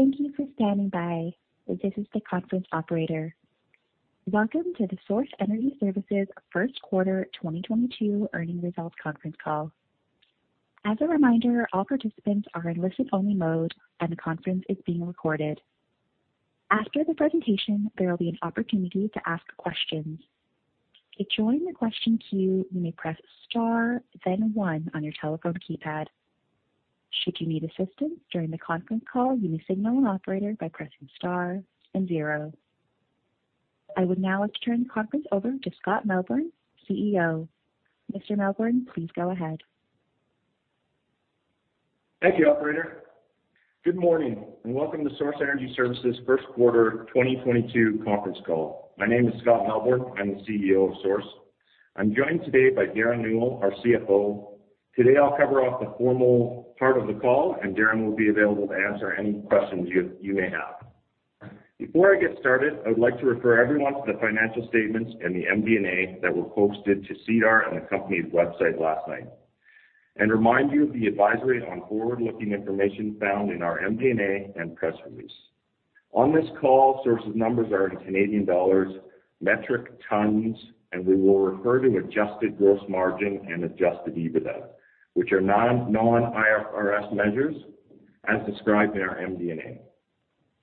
Thank you for standing by. This is the conference operator. Welcome to the Source Energy Services first quarter 2022 earnings results conference call. As a reminder, all participants are in listen-only mode, and the conference is being recorded. After the presentation, there will be an opportunity to ask questions. To join the question queue, you may press star then one on your telephone keypad. Should you need assistance during the conference call, you may signal an operator by pressing star and zero. I would now like to turn the conference over to Scott Melbourn, CEO. Mr. Melbourn, please go ahead. Thank you, operator. Good morning, and welcome to Source Energy Services first quarter 2022 conference call. My name is Scott Melbourn. I'm the CEO of Source. I'm joined today by Derren Newell, our CFO. Today, I'll cover off the formal part of the call, and Derren will be available to answer any questions you may have. Before I get started, I would like to refer everyone to the financial statements in the MD&A that were posted to SEDAR on the company's website last night and remind you of the advisory on forward-looking information found in our MD&A and press release. On this call, Source's numbers are in Canadian dollars, metric tons, and we will refer to Adjusted Gross Margin and Adjusted EBITDA, which are non-IFRS measures as described in our MD&A.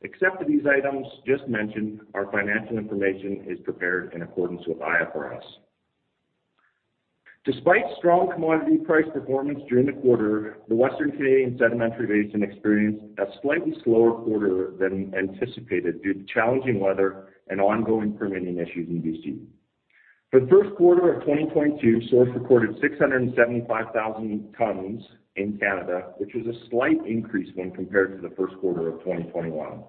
Except for these items just mentioned, our financial information is prepared in accordance with IFRS. Despite strong commodity price performance during the quarter, the Western Canadian Sedimentary Basin experienced a slightly slower quarter than anticipated due to challenging weather and ongoing permitting issues in B.C. For the first quarter of 2022, Source recorded 675,000 tons in Canada, which is a slight increase when compared to the first quarter of 2021.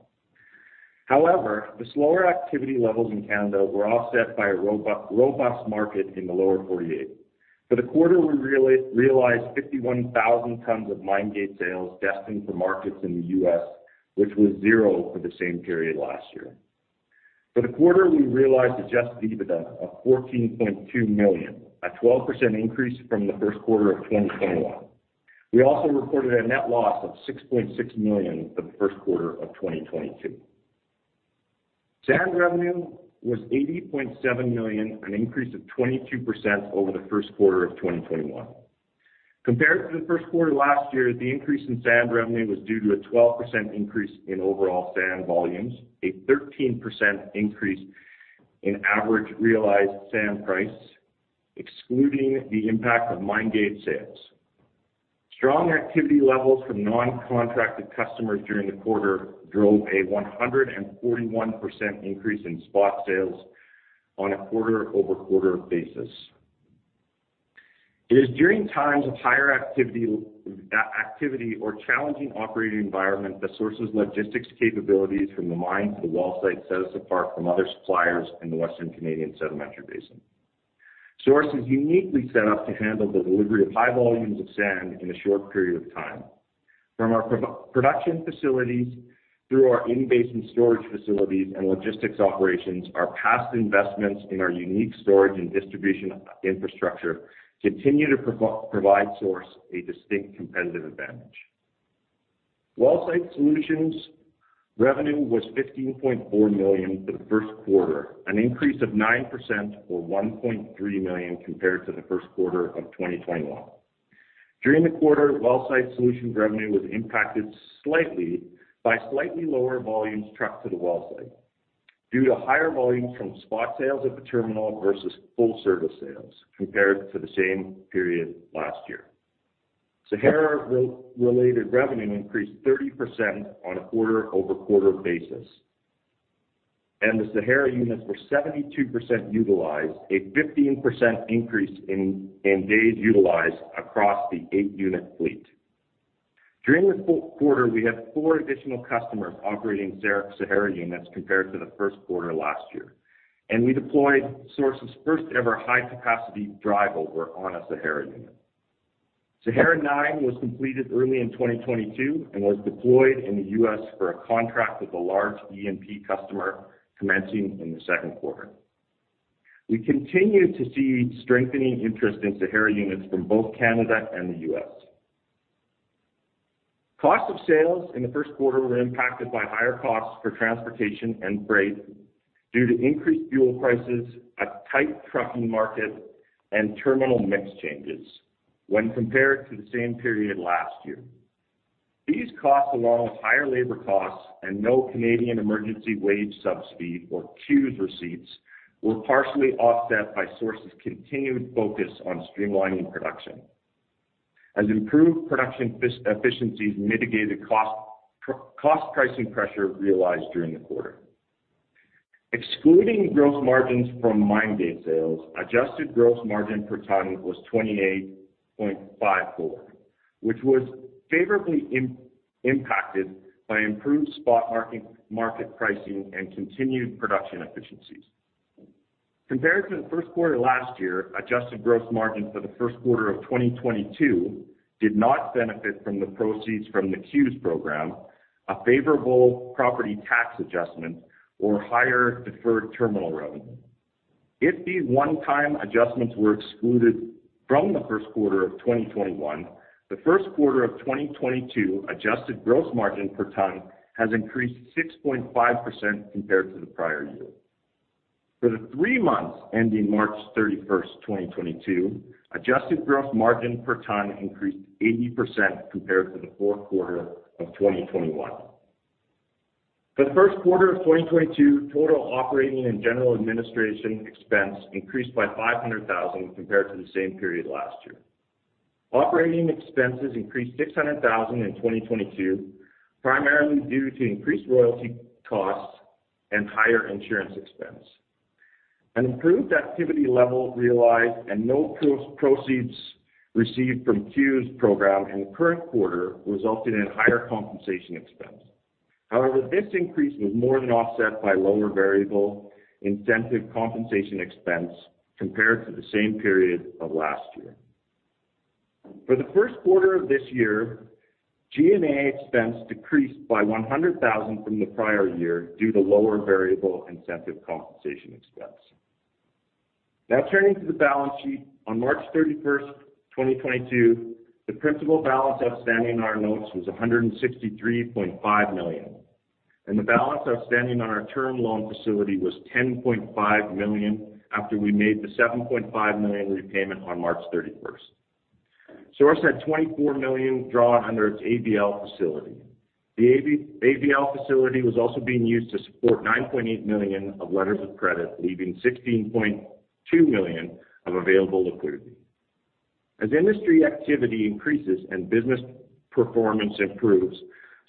However, the slower activity levels in Canada were offset by a robust market in the Lower 48. For the quarter, we realized 51,000 tons of mine gate sales destined for markets in the U.S., which was zero for the same period last year. For the quarter, we realized adjusted EBITDA of 14.2 million, a 12% increase from the first quarter of 2021. We also reported a net loss of 6.6 million for the first quarter of 2022. Sand revenue was 80.7 million, an increase of 22% over the first quarter of 2021. Compared to the first quarter last year, the increase in sand revenue was due to a 12% increase in overall sand volumes, a 13% increase in average realized sand price, excluding the impact of mine gate sales. Strong activity levels from non-contracted customers during the quarter drove a 141% increase in spot sales on a quarter-over-quarter basis. It is during times of higher activity or challenging operating environment that Source's logistics capabilities from the mine to the wellsite set us apart from other suppliers in the Western Canadian Sedimentary Basin. Source is uniquely set up to handle the delivery of high volumes of sand in a short period of time. From our production facilities through our in-basin storage facilities and logistics operations, our past investments in our unique storage and distribution infrastructure continue to provide Source a distinct competitive advantage. Wellsite Solutions revenue was 15.4 million for the first quarter, an increase of 9% or 1.3 million compared to the first quarter of 2021. During the quarter, Wellsite Solutions revenue was impacted slightly by lower volumes trucked to the wellsite due to higher volumes from spot sales at the terminal versus full service sales compared to the same period last year. Sahara-related revenue increased 30% on a quarter-over-quarter basis, and the Sahara units were 72% utilized, a 15% increase in days utilized across the 8-unit fleet. During the fourth quarter, we had 4 additional customers operating Sahara units compared to the first quarter last year, and we deployed Source's first-ever high-capacity drive over on a Sahara unit. Sahara Nine was completed early in 2022 and was deployed in the U.S. for a contract with a large E&P customer commencing in the second quarter. We continue to see strengthening interest in Sahara units from both Canada and the U.S. Cost of sales in the first quarter were impacted by higher costs for transportation and freight due to increased fuel prices, a tight trucking market, and terminal mix changes when compared to the same period last year. These costs, along with higher labor costs and no Canada Emergency Wage Subsidy or CEWS receipts, were partially offset by Source's continued focus on streamlining production. As improved production efficiencies mitigated cost pressures, pricing pressure realized during the quarter. Excluding gross margins from mine gate sales, Adjusted Gross Margin per ton was 28.54, which was favorably impacted by improved spot market pricing and continued production efficiencies. Compared to the first quarter last year, adjusted gross margin for the first quarter of 2022 did not benefit from the proceeds from the CEWS program, a favorable property tax adjustment or higher deferred terminal revenue. If these one-time adjustments were excluded from the first quarter of 2021, the first quarter of 2022 adjusted gross margin per ton has increased 6.5% compared to the prior year. For the three months ending March 31, 2022, adjusted gross margin per ton increased 80% compared to the fourth quarter of 2021. For the first quarter of 2022, total operating and general administration expense increased by 500,000 when compared to the same period last year. Operating expenses increased 600,000 in 2022, primarily due to increased royalty costs and higher insurance expense. An improved activity level realized and no proceeds received from CEWS program in the current quarter resulted in higher compensation expense. However, this increase was more than offset by lower variable incentive compensation expense compared to the same period of last year. For the first quarter of this year, G&A expense decreased by 100,000 from the prior year due to lower variable incentive compensation expense. Now, turning to the balance sheet. On March 31, 2022, the principal balance outstanding on our notes was 163.5 million, and the balance outstanding on our term loan facility was 10.5 million after we made the 7.5 million repayment on March 31. Source had 24 million drawn under its ABL facility. The ABL facility was also being used to support 9.8 million of letters of credit, leaving 16.2 million of available liquidity. As industry activity increases and business performance improves,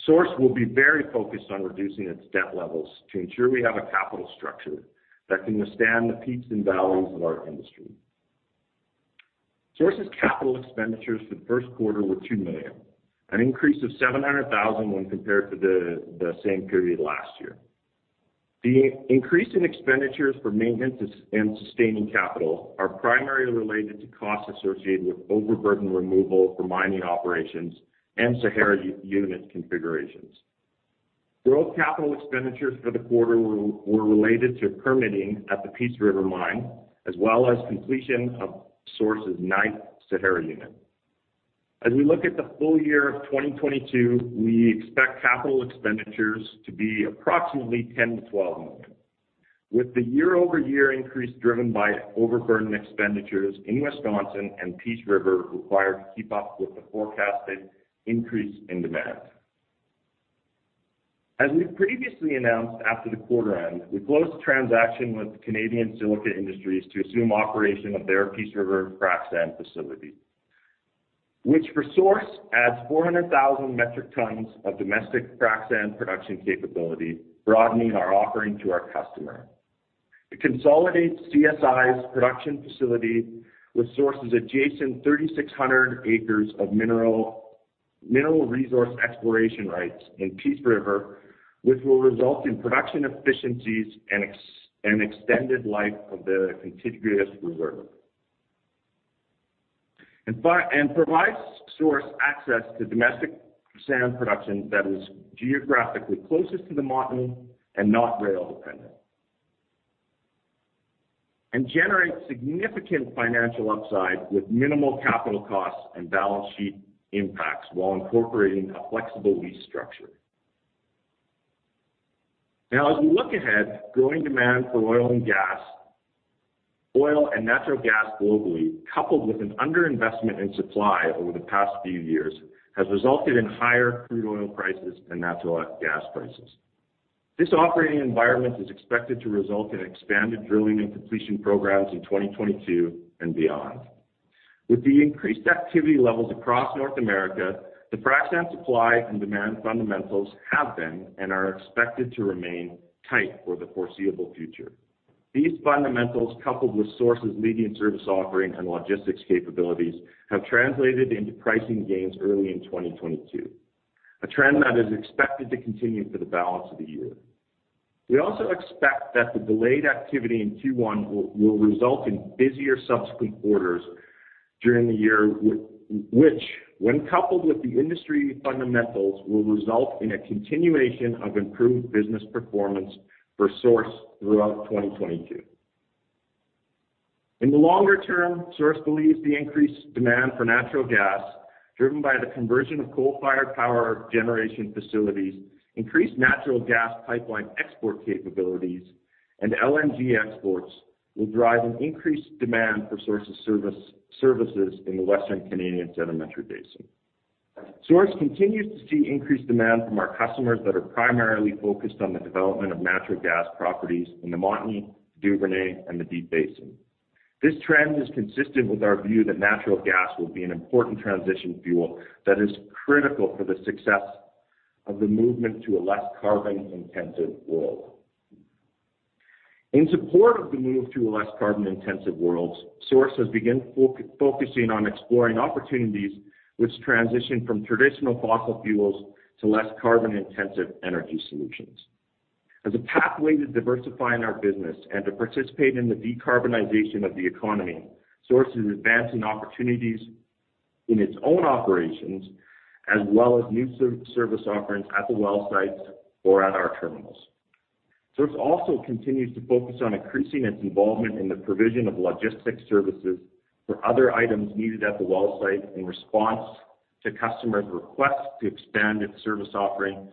Source will be very focused on reducing its debt levels to ensure we have a capital structure that can withstand the peaks and valleys of our industry. Source's capital expenditures for the first quarter were 2 million, an increase of 700,000 when compared to the same period last year. The increase in expenditures for maintenance and sand and sustaining capital are primarily related to costs associated with overburden removal for mining operations and Sahara unit configurations. While capital expenditures for the quarter were related to permitting at the Peace River mine, as well as completion of Source's ninth Sahara unit. As we look at the full year of 2022, we expect capital expenditures to be approximately 10-12 million, with the year-over-year increase driven by overburden expenditures in Wisconsin and Peace River required to keep up with the forecasted increase in demand. As we've previously announced, after the quarter end, we closed a transaction with Canadian Silica Industries Inc. to assume operation of their Peace River frac sand facility, which for Source adds 400,000 metric tons of domestic frac sand production capability, broadening our offering to our customer. It consolidates CSI's production facility with Source's adjacent 3,600 acres of mineral resource exploration rights in Peace River, which will result in production efficiencies and extended life of the contiguous reserve, provides Source access to domestic sand production that is geographically closest to the Montney and not rail dependent, generates significant financial upside with minimal capital costs and balance sheet impacts while incorporating a flexible lease structure. Now, as we look ahead, growing demand for oil and natural gas globally, coupled with an underinvestment in supply over the past few years, has resulted in higher crude oil prices and natural gas prices. This operating environment is expected to result in expanded drilling and completion programs in 2022 and beyond. With the increased activity levels across North America, the frac sand supply and demand fundamentals have been and are expected to remain tight for the foreseeable future. These fundamentals, coupled with Source's leading service offering and logistics capabilities, have translated into pricing gains early in 2022, a trend that is expected to continue for the balance of the year. We also expect that the delayed activity in Q1 will result in busier subsequent quarters during the year, which, when coupled with the industry fundamentals, will result in a continuation of improved business performance for Source throughout 2022. In the longer term, Source believes the increased demand for natural gas, driven by the conversion of coal-fired power generation facilities, increased natural gas pipeline export capabilities, and LNG exports, will drive an increased demand for Source's services in the Western Canadian Sedimentary Basin. Source continues to see increased demand from our customers that are primarily focused on the development of natural gas properties in the Montney, Duvernay, and the Deep Basin. This trend is consistent with our view that natural gas will be an important transition fuel that is critical for the success of the movement to a less carbon-intensive world. In support of the move to a less carbon-intensive world, Source has began focusing on exploring opportunities which transition from traditional fossil fuels to less carbon-intensive energy solutions. As a pathway to diversifying our business and to participate in the decarbonization of the economy, Source is advancing opportunities in its own operations as well as new service offerings at the well sites or at our terminals. Source also continues to focus on increasing its involvement in the provision of logistics services for other items needed at the well site in response to customers' requests to expand its service offering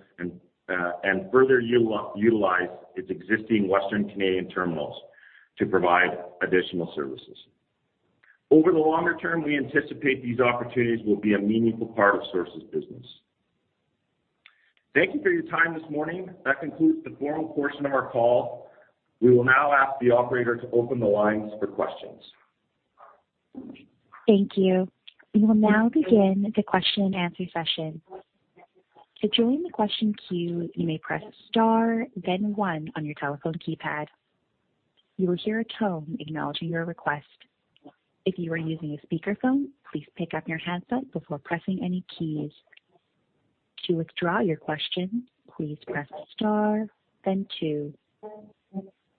and further utilize its existing Western Canadian terminals to provide additional services. Over the longer term, we anticipate these opportunities will be a meaningful part of Source's business. Thank you for your time this morning. That concludes the formal portion of our call. We will now ask the operator to open the lines for questions. Thank you. We will now begin the question-and-answer session. To join the question queue, you may press star then one on your telephone keypad. You will hear a tone acknowledging your request. If you are using a speakerphone, please pick up your handset before pressing any keys. To withdraw your question, please press star then two.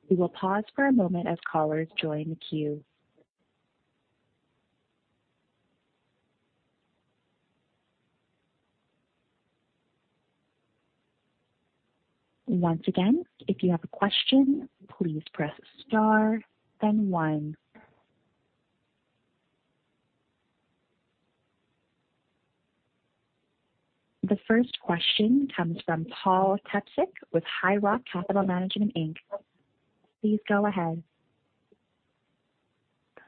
We will pause for a moment as callers join the queue. Once again, if you have a question, please press star then one. The first question comes from Paul Tepsich with High Rock Capital Management Inc. Please go ahead.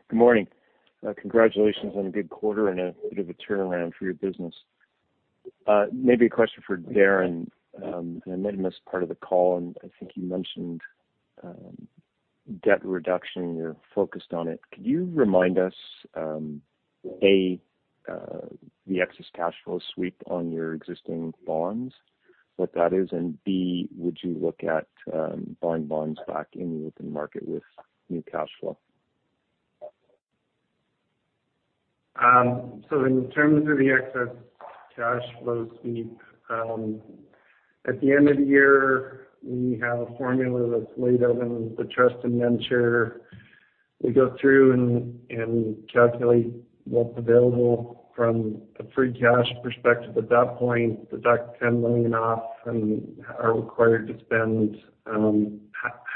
Good morning. Congratulations on a good quarter and a bit of a turnaround for your business. Maybe a question for Derren. I might have missed part of the call, and I think you mentioned debt reduction, you're focused on it. Could you remind us, A, the excess cash flow sweep on your existing bonds, what that is, and B, would you look at buying bonds back in the open market with new cash flow? In terms of the excess cash flow sweep, at the end of the year, we have a formula that's laid out in the trust indenture. We go through and calculate what's available from a free cash perspective. At that point, deduct 10 million off and are required to spend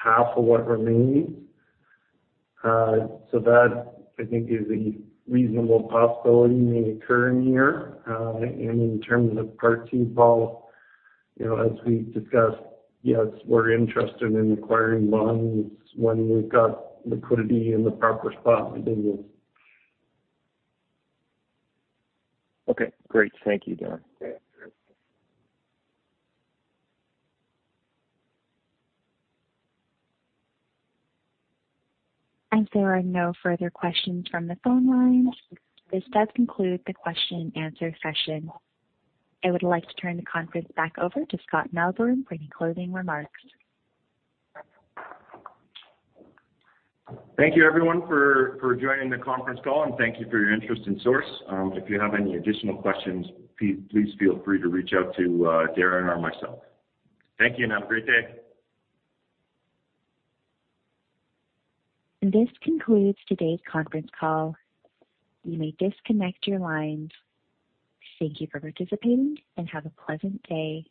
half of what remains. That I think is a reasonable possibility may occur in the year. In terms of part two, Paul, you know, as we discussed, yes, we're interested in acquiring bonds when we've got liquidity in the proper spot within this. Okay, great. Thank you, Derren. Yeah. Sure. As there are no further questions from the phone lines, this does conclude the question-and-answer session. I would like to turn the conference back over to Scott Melbourn for any closing remarks. Thank you everyone for joining the conference call, and thank you for your interest in Source. If you have any additional questions, please feel free to reach out to Derren or myself. Thank you, and have a great day. This concludes today's conference call. You may disconnect your lines. Thank you for participating, and have a pleasant day.